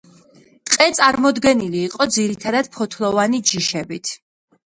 ტყე წარმოდგენილი იყო ძირითადად ფოთლოვანი ჯიშებით.